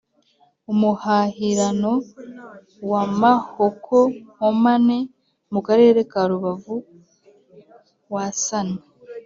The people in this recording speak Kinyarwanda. umuhahirano wa Mahoko Nkomane mu Karere ka Rubavu wasanywe